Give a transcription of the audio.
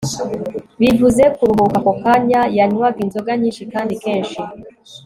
bivuze kuruhuka ako kanya. yanywaga inzoga nyinshi kandi kenshi